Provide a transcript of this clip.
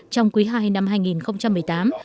trong quý ii năm hai nghìn một mươi tám